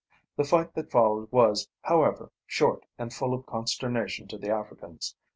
The fight that followed was, however, short and full of consternation to the Africans.